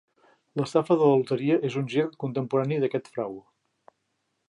L'estafa de la loteria és un gir contemporani d'aquest frau.